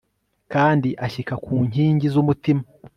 kandi ashyika ku nkingi z'umutima